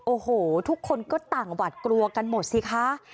โอ้โหทุกคนก็ต่างหวัดกลัวกันหมดสิคะ